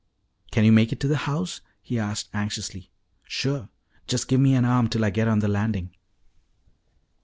"Can you make it to the house?" he asked anxiously. "Sure. Just give me an arm till I get on the landing."